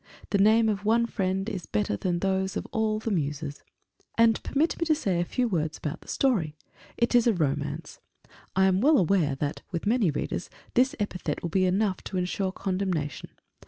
The name of one friend is better than those of all the Muses. And permit me to say a few words about the story. It is a Romance. I am well aware that, with many readers, this epithet will be enough to ensure condemnation.